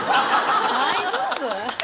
大丈夫？